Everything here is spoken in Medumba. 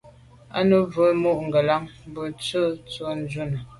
A num mbe num mo’ ngelan mbù bo busi tsho shune.